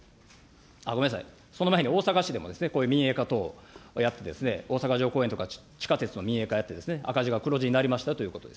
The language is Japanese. ごめんなさい、その前に大阪市でもこういう民営化等やってですね、大阪城公園とか、地下鉄の民営化やって、赤字が黒字になりましたよということです。